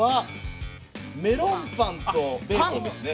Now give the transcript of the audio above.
メロンパンとパンですね。